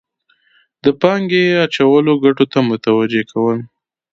د پانګې اچولو ګټو ته متوجه کول.